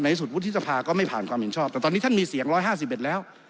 สุดวุฒิสภาก็ไม่ผ่านความเห็นชอบแต่ตอนนี้ท่านมีเสียง๑๕๑แล้ว